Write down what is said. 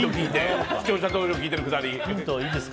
視聴者投票聞いてるくだり。